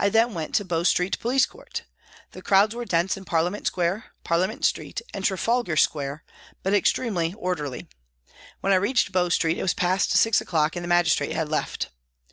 I then went to Bow Street Police Court. The crowds were dense in Parliament Square, Parliament Street, and Trafalgar Square, but extremely orderly. When I reached Bow Street it was past six o'clock and the magistrate had left.